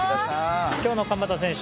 今日の鎌田選手